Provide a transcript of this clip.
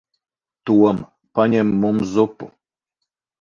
Tom. Paņem mums zupu.